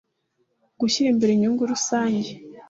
gushyira imbere inyungu rusange